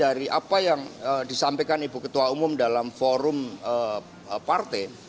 dari apa yang disampaikan ibu ketua umum dalam forum partai